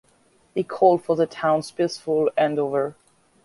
He called for the town's peaceful handover.